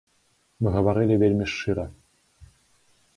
Мы гаварылі вельмі шчыра.